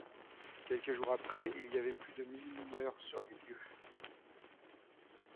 Quelques jours après, il y avait plus de mille mineurs sur les lieux.